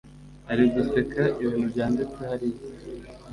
ariguseka ibintu byanditse hariya